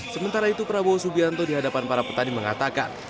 sementara itu prabowo subianto di hadapan para petani mengatakan